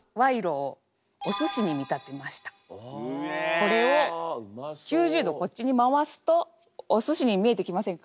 これを９０度こっちに回すとおすしに見えてきませんか？